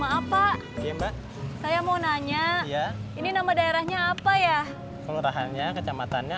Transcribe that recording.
maaf pak iya saya mau nanya ya ini nama daerahnya apa ya kelurahannya kecamatannya